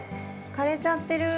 枯れちゃってる。